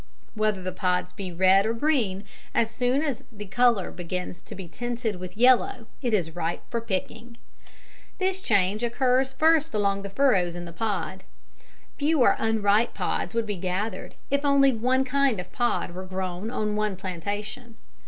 Whether the pods be red or green, as soon as the colour begins to be tinted with yellow it is ripe for picking. This change occurs first along the furrows in the pod. Fewer unripe pods would be gathered if only one kind of pod were grown on one plantation.